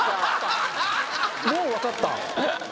もうわかった？